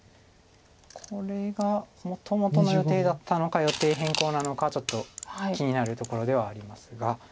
これがもともとの予定だったのか予定変更なのかちょっと気になるところではありますが。